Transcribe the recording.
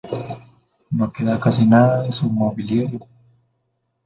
No queda casi nada de su mobiliario.